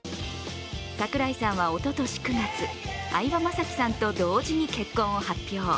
櫻井さんはおととし９月、相葉雅紀さんと同時に結婚を発表。